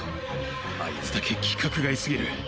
あいつだけ規格外すぎる！